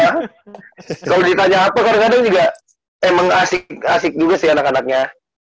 kalau ditanya apa kadang kadang juga emang asik juga sih anak anaknya